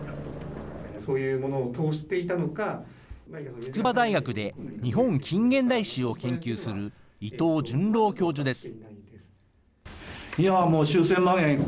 筑波大学で日本近現代史を研究する伊藤純郎教授です。